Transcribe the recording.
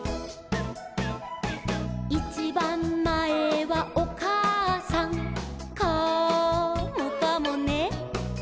「いちばんまえはおかあさん」「カモかもね」